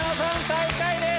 最下位です。